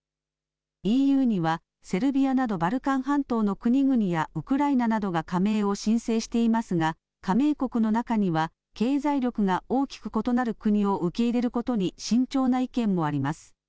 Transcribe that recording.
ＥＵにはセルビアなどバルカン半島の国々やウクライナなどが加盟を申請していますが加盟国の中には経済力が大きく異なる国を受け入れることに慎重な意見もあります。